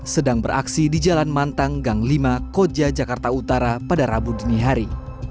sedang beraksi di jalan mantang gang lima koja jakarta utara pada rabu dini hari